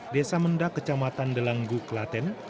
desa mendak kecamatan delanggu klaten